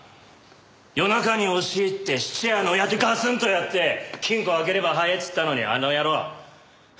夜中に押し入って質屋の親父ガツンとやって金庫を開ければ早えっつったのにあの野郎。